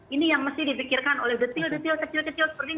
ini yang mesti dipikirkan oleh detail detail kecil kecil seperti ini